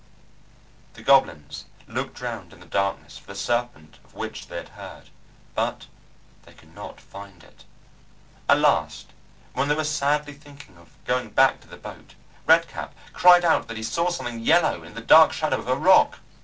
The goblins looked round in the darkness for the serpent of which they had heard, but they could not find it. At last, when they were sadly thinking of going back to the boat, Red Cap cried out that he saw something yellow in the dark shadow of a rock.